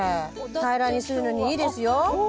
平らにするのにいいですよ。